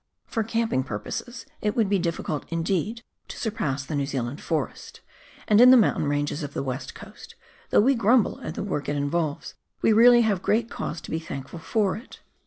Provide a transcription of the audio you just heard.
For camping purposes it would be difficult indeed to surpass the New Zealand forest, and in the mountain ranges of the West Coast, though we grumble at the work it involves, we really have great cause to be thaukful for it.